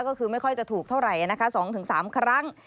ก็คือไม่ค่อยจะถูกเท่าไหร่นะคะ๒๓ครั้ง